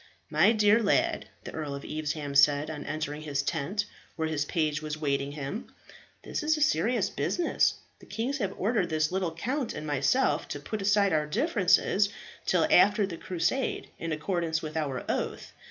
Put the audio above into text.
"My dear lad," the Earl of Evesham said on entering his tent where his page was waiting him, "this is a serious business. The kings have ordered this little count and myself to put aside our differences till after the Crusade, in accordance with our oath.